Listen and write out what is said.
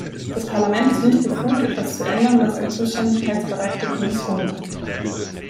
Das Parlament ist nicht befugt, etwas zu ändern, was im Zuständigkeitsbereich der Kommission liegt.